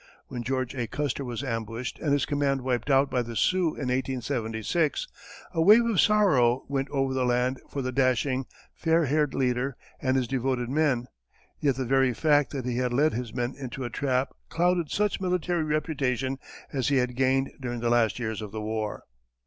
When George A. Custer was ambushed and his command wiped out by the Sioux in 1876, a wave of sorrow went over the land for the dashing, fair haired leader and his devoted men; yet the very fact that he had led his men into a trap clouded such military reputation as he had gained during the last years of the war.